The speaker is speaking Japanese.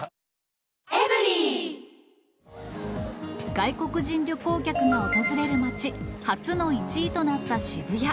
外国人旅行客が訪れる街、初の１位となった渋谷。